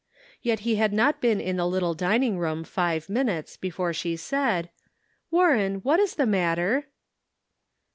Yet he had not been in the little dining room five minutes before she said :" Warren, what is the matter